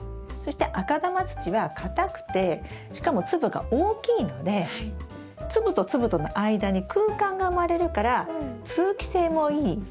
そして赤玉土は硬くてしかも粒が大きいので粒と粒との間に空間が生まれるから通気性もいい。